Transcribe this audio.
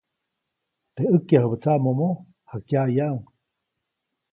Teʼ ʼäjkyajubä tsaʼmomo, jakyaʼyaʼuŋ.